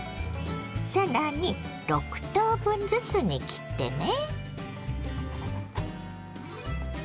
更に６等分ずつに切ってね。